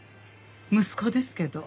息子ですけど。